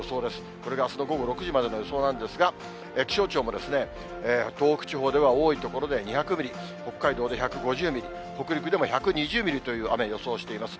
これがあすの午後６時までの予想なんですが、気象庁もですね、東北地方では多い所で２００ミリ、北海道で１５０ミリ、北陸でも１２０ミリという雨、予想しています。